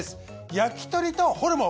焼き鳥とホルモン。